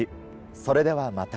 それではまた。